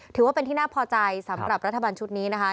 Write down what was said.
ถือว่าเป็นที่น่าพอใจสำหรับรัฐบาลชุดนี้นะคะ